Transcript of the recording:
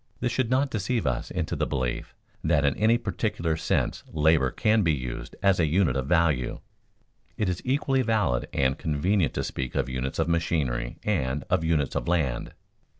This should not deceive us into the belief that in any peculiar sense labor can be used as a unit of value. It is equally valid and convenient to speak of units of machinery and of units of land.